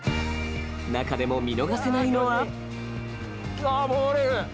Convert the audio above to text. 中でも、見逃せないのは。